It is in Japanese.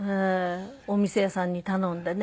お店屋さんに頼んでね。